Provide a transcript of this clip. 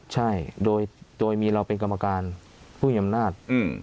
ใช่โดยมีเราเป็นกรรมการผู้มีอำนาจ